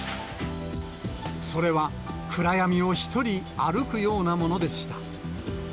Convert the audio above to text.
それは、暗闇を一人歩くようなものでした。